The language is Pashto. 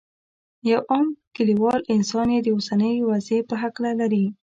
یو عام کلیوال انسان یې د اوسنۍ وضعې په هکله لري.